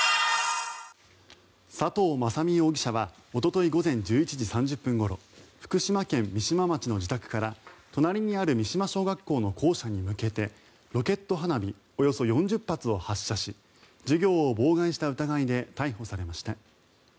佐藤雅美容疑者はおととい午前１１時３０分ごろ福島県三島町の自宅から隣にある三島小学校の校舎に向けてロケット花火およそ４０発を発射し授業を妨害した疑いで逮捕されました。